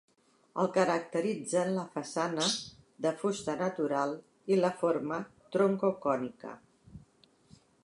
El caracteritzen la façana, de fusta natural, i la forma, troncocònica.